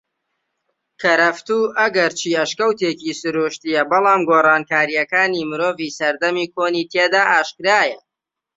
کەرەفتوو ئەگەرچی ئەشکەوتێکی سرووشتیە بەلام گۆڕانکاریەکانی مرۆڤی سەردەمی کۆنی تێدا ئاشکرایە